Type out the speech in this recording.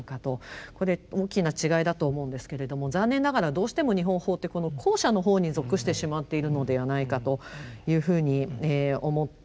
これ大きな違いだと思うんですけれども残念ながらどうしても日本法ってこの後者の方に属してしまっているのではないかというふうに思っています。